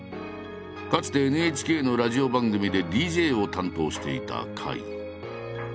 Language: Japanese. かつてＮＨＫのラジオ番組でＤＪを担当していた甲斐。